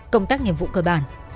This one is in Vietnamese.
công tác nghiệm vụ cơ bản